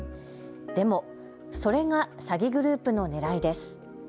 でもそれが詐欺グループのねらいです。